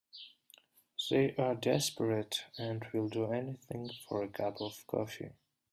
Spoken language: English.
They're desperate and will do anything for a cup of coffee.